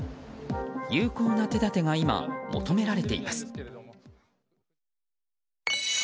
有効な手立てが今、求められています。